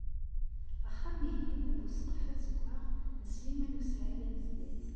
Axxam-ihin bu ssqef azeggaɣ n Sliman u Saɛid Amezdat.